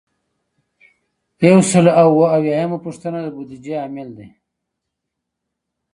یو سل او اووه اویایمه پوښتنه د بودیجې عامل دی.